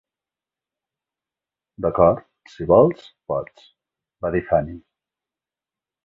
"D'acord, si vols, pots", va dir Fanny.